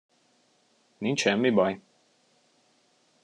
Nincs semmi baj?